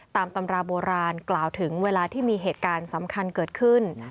ตามตำราโบราณกล่าวถึงเวลาที่มีเหตุการณ์สำคัญเกิดขึ้น